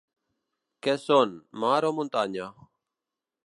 Què són, mar o muntanya?